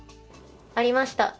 ありました、